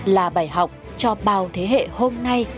là bài học cho bao thế hệ hôm nay